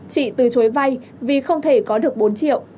chị từ chối vay vì không thể có được bốn triệu